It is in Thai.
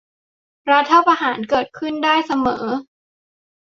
รัฐประหารเกิดขึ้นได้เสมอ